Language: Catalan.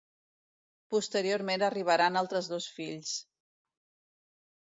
Posteriorment arribaran altres dos fills: